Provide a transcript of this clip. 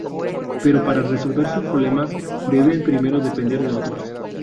Pero para resolver sus problemas, deben primero depender de otros.